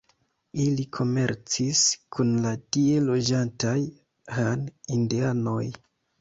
Ili komercis kun la tie loĝantaj Han-indianoj.